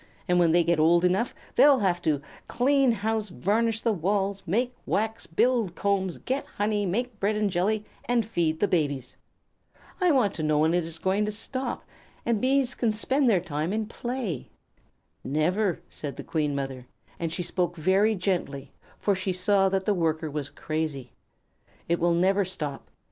And when they get old enough they'll have to clean house, varnish the walls, make wax, build combs, get honey, make bread and jelly, and feed the babies. I want to know when it is going to stop, and Bees can spend their time in play." "Never," said the Queen Mother; and she spoke very gently, for she saw that the Worker was crazy. "It will never stop.